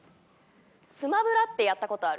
『スマブラ』ってやった事ある？